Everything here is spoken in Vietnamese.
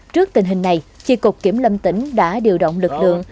trước tình hình này chi cục kiểm lâm tỉnh đã điều động lực lượng